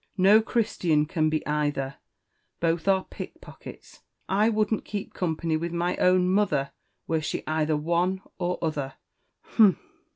No Christian can be either both are pickpockets. I wouldn't keep company with my own mother were she either one or other humph!"